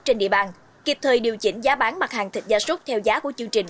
trên địa bàn kịp thời điều chỉnh giá bán mặt hàng thịt gia súc theo giá của chương trình